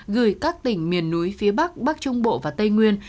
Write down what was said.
gửi các tỉnh miền núi phía bắc bắc trung bộ và tây nguyên